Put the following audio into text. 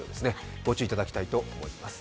ご注意いただきたいと思います。